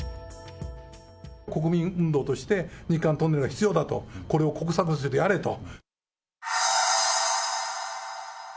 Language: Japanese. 国民運動として、日韓トンネルが必要だと、これを国策としてやれと。